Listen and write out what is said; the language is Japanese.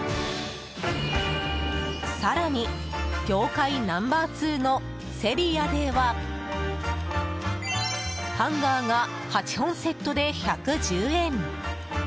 更に、業界ナンバー２のセリアではハンガーが８本セットで１１０円。